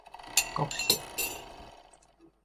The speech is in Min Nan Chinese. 國姓